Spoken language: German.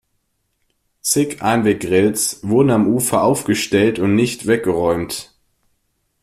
Zig Einweggrills wurden am Ufer aufgestellt und nicht weggeräumt.